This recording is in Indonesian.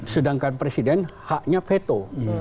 sedangkan presiden haknya veto